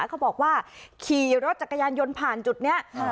เขาบอกว่าขี่รถจักรยานยนต์ผ่านจุดนี้